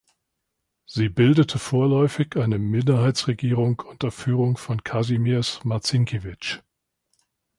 Sie bildete vorläufig eine Minderheitsregierung unter Führung von Kazimierz Marcinkiewicz.